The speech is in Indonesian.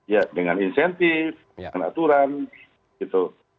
ya dengan insentif dengan aturan gitu